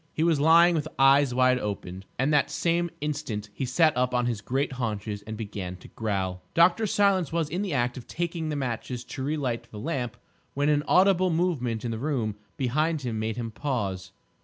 He was lying with eyes wide open, and that same instant he sat up on his great haunches and began to growl. Dr. Silence was in the act of taking the matches to re light the lamp when an audible movement in the room behind him made him pause.